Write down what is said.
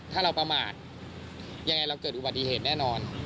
ถ้าเราประมาทยังไงเราเกิดอุบัติเหตุแน่นอน